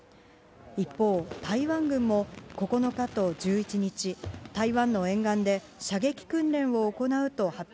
一方、台湾軍も９日と１１日、台湾の沿岸で射撃訓練を行うと発